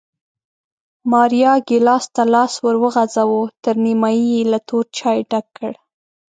ماریا ګېلاس ته لاس ور وغځاوه، تر نیمایي یې له تور چای ډک کړ